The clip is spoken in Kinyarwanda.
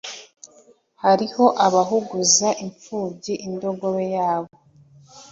hariho abahuguza impfubyi indogobe yayo